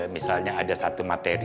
misalnya ada satu materi